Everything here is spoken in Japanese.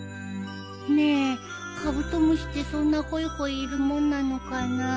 ねえカブトムシってそんなほいほいいるもんなのかな？